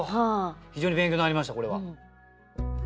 非常に勉強になりましたこれは。